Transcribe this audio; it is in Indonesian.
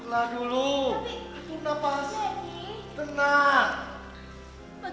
bagaimana pendeta mau datang